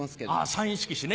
サイン色紙ね